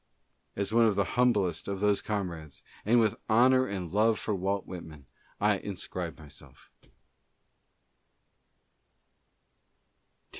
As one of the humblest of those comrades, and with honor and love for Walt Whitman, I inscribe myself.